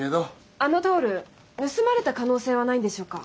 あのタオル盗まれた可能性はないんでしょうか？